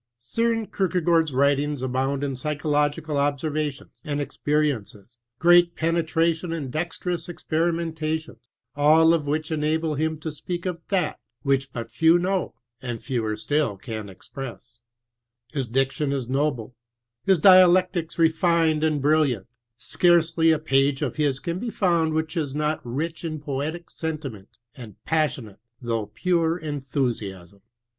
S6ren Sierkegaard's writings abound in X>8ychological onservations and experiences, great penetration and dexterous experimenta tions, all of which enable him to speak of that which but few know and fewer still can ex press, flis diction is noble, his dialectics re nned and brilliant ; scarcely a page of his can be found which is not rich in poetic senti ment and passionate though pure enthusi asm.